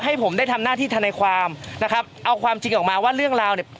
ให้ผมได้ทำหน้าที่ธนายความนะครับเอาความจริงออกมาว่าเรื่องราวเนี่ย